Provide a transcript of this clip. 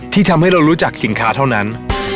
ทำให้เรารู้จักสินค้าเท่านั้น